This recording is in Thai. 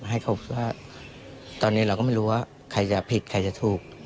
ให้เขาว่าตอนนี้เราก็ไม่รู้ว่าใครจะผิดใครจะถูก